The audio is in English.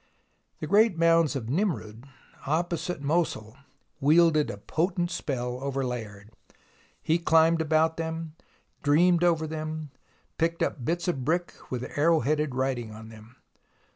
The great mounds of Nimroud, opposite Mosul, wielded a potent spell over Layard. He climbed about them, dreamed over them, picked up bits of brick with arrow headed writing on them.